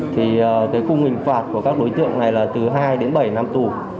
thì cái khung hình phạt của các đối tượng này là từ hai đến bảy năm tù